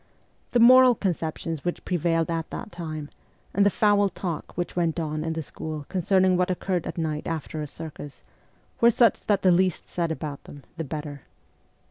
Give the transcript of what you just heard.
The moral conceptions which prevailed at that time, and the foul talk which went on in the school con cerning what occurred at night after a circus, were such that the least said about them the better.